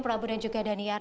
pura pura dan juga daniar